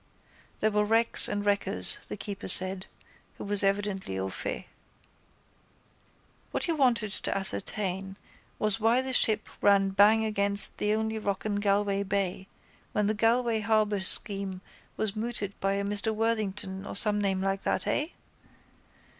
There were wrecks and wreckers, the keeper said, who was evidently au fait. What he wanted to ascertain was why that ship ran bang against the only rock in Galway bay when the Galway harbour scheme was mooted by a Mr Worthington or some name like that, eh?